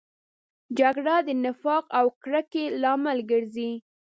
جګړه د نفاق او کرکې لامل ګرځي